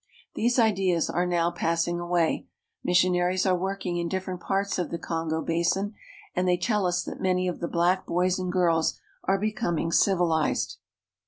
These ideas are now passing away. Missionaries are working in different parts of the Kongo basin, and they tell us that many of the black boys and girls are becom ing civilized.